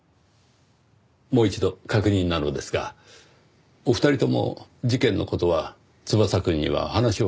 もう一度確認なのですがお二人とも事件の事は翼くんには話をされていないんですね？